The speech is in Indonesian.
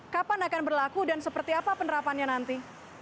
kapan akan berlaku dan seperti apa penerapannya nanti